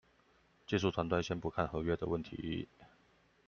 技術團隊先不看合約的問題